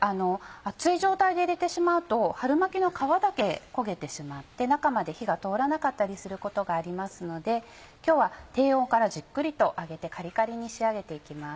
熱い状態で入れてしまうと春巻きの皮だけ焦げてしまって中まで火が通らなかったりすることがありますので今日は低温からじっくりと揚げてカリカリに仕上げて行きます。